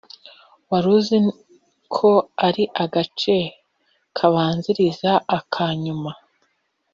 waruziko aka ari agace kabanziriza akanyuma?